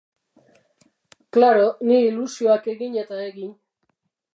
Klaro, ni, ilusioak egin eta egin.